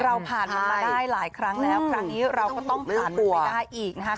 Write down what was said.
เราผ่านมันมาได้หลายครั้งแล้วครั้งนี้เราก็ต้องผ่านไปได้อีกนะคะ